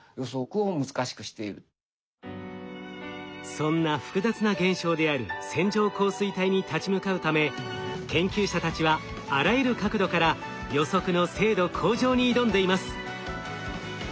そんな複雑な現象である線状降水帯に立ち向かうため研究者たちはあらゆる角度から予測の精度向上に挑んでいます。